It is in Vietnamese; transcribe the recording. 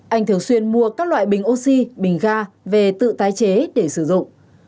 anh thường xuyên mua các loại bình oxy bình ga về tự tái chế để sử dụng